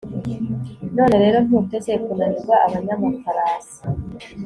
none rero, ntuteze kunanira abanyamafarasi